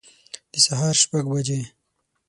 د سهار شپږ بجي